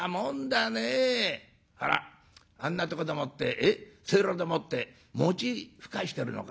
あらあんなとこでもってせいろでもって餅ふかしてるのか。